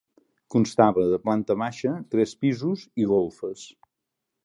Constava de planta baixa, tres pisos i golfes.